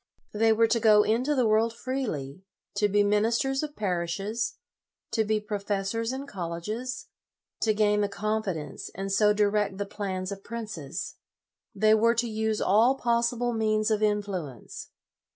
They were to go into the world freely, to be ministers of parishes, to be professors in colleges, to gain the confidence and so direct the plans of princes. They were to use all possible means of influence.